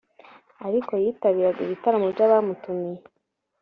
ariko yitabiraga ibitaramo by’abamutumiye